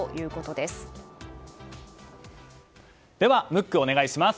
ではムック、お願いします。